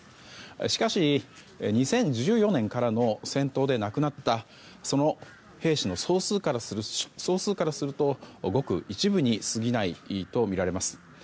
しかし、２０１４年からの戦闘で亡くなったその兵士の総数からするとごく一部にすぎないとみられます。